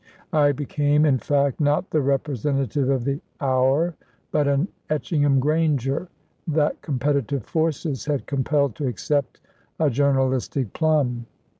I became, in fact, not the representative of the Hour but an Etchingham Granger that competitive forces had compelled to accept a journalistic plum.